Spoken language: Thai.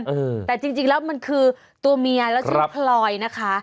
หวานเหลือเกินแต่จริงแล้วมันคือตัวเมียแล้วชื่อพลอยนะคะ